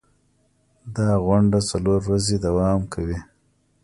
دا غونډه څلور ورځې دوام کوي.